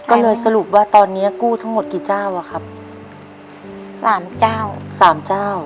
ก็เลยสรุปว่าตอนนี้กู้ทั้งหมดกี่เจ้าสามเจ้า